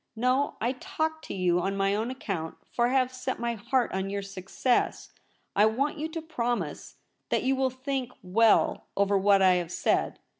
No, I talked to you on my own account ; for I have set my heart on your success. I want you to promise that you will think well over what I have said.